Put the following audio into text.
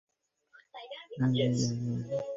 তোমাকে সাহায্য করতে পারলে খুশি হতাম, কিন্তু সেটা পারছি না।